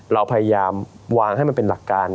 เราพยายามวางให้มันเป็นหลักการ